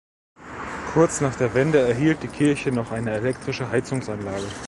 Kurz nach der Wende erhielt die Kirche noch eine elektrische Heizungsanlage.